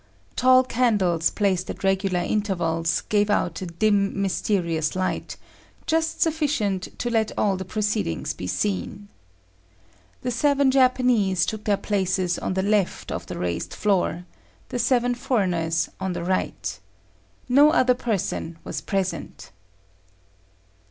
Tall candles placed at regular intervals gave out a dim mysterious light, just sufficient to let all the proceedings be seen. The seven Japanese took their places on the left of the raised floor, the seven foreigners on the right. No other person was present.